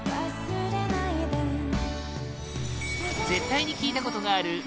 絶対に聴いたことがある！